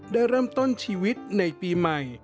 ได้เริ่มต้นชีวิตในปีใหม่